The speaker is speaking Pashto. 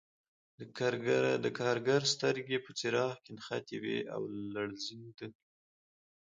د کارګر سترګې په څراغ کې نښتې وې او لړزېده